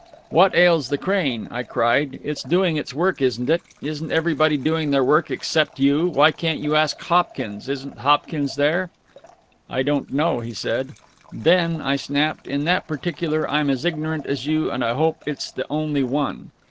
"What ails the crane?" I cried. "It's doing its work, isn't it? Isn't everybody doing their work except you? Why can't you ask Hopkins? Isn't Hopkins there?" "I don't know," he said. "Then," I snapped, "in that particular I'm as ignorant as you, and I hope it's the only one."